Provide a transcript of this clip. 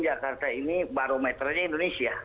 jakarta ini barometernya indonesia